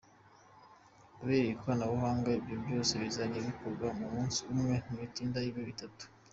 Kubera iri koranabuhanga, ibyo byose bizajya bikorwa mu munsi umwe n’ibitinda ibe itatu”.